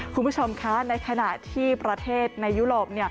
คุณผู้ชมคะในขณะที่ประเทศในยุโรปเนี่ย